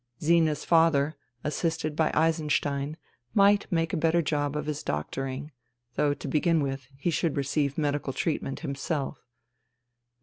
Zina's father, assisted by Eisenstein, might make a better job of his doctor ing ; though to begin with, he should receive medical treatment himself.